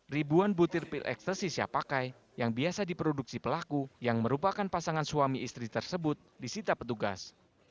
ribuan butir pil ekstasi siap pakai yang biasa diproduksi pelaku yang merupakan pasangan suami istri tersebut disita petugas